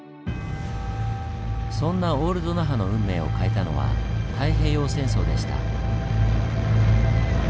そんなオールド那覇の運命を変えたのは太平洋戦争でした。